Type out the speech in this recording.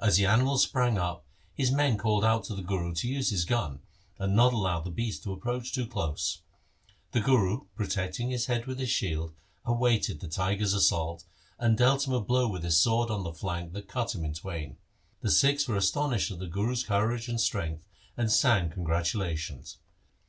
As the animal sprang up, his men called out to the Guru to use his gun, and not allow the beast to approach too close. The Guru, protecting his head with his shield awaited the tiger's assault, and dealt him a blow with his sword on the flank that cut him in twain. The Sikhs were astonished at the Guru's courage and strength, and sang congratulations.